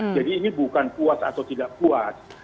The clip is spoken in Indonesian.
jadi ini bukan puas atau tidak puas